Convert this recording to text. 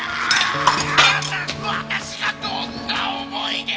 私がどんな思いで！